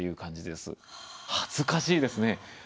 恥ずかしいですね。